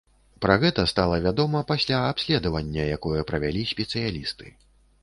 Пра гэта стала вядома пасля абследавання, якое правялі спецыялісты.